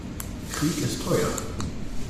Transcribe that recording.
Krieg ist teuer.